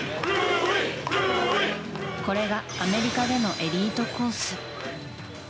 これがアメリカでのエリートコース。